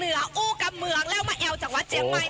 อู้กำเมืองแล้วมาแอวจากวัดเจียงใหม่